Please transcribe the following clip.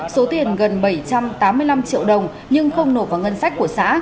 số tiền gần bảy trăm tám mươi năm triệu đồng nhưng không nộp vào ngân sách của xã